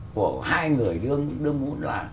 của hai người đương mũn là